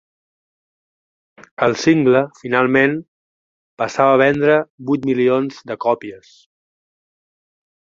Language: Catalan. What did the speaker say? El single, finalment, passava a vendre vuit milions de còpies.